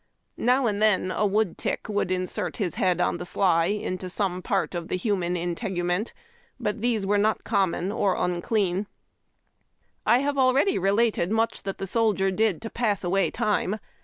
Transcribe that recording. Now and then a wood tick would insert his head, on the sly, into some part of the human integument ; but these were not common or unclean. TUKNING IlIM UVEK. LIFE IN LOG HUTS. 83 I have already related much that the soldier did to pass away time.